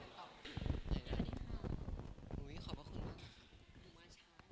แฟนเพจล่ะ